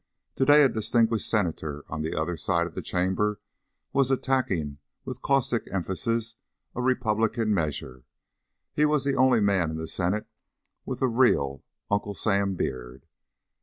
To day a distinguished Senator on the other side of the Chamber was attacking with caustic emphasis a Republican measure. He was the only man in the Senate with a real Uncle Sam beard.